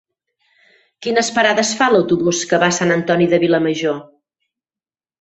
Quines parades fa l'autobús que va a Sant Antoni de Vilamajor?